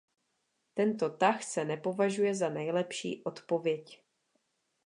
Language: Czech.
Tento tah se nepovažuje za nejlepší odpověď.